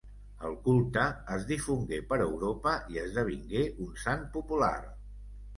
El culte es difongué per Europa i esdevingué un sant popular.